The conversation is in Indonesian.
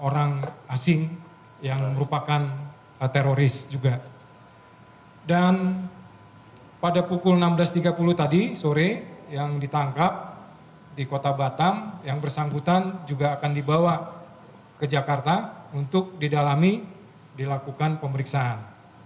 yang berasal dari kota batam yang bersangkutan juga akan dibawa ke jakarta untuk didalami dilakukan pemeriksaan